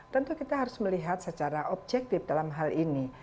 tentu kita harus melihat secara objektif dalam hal ini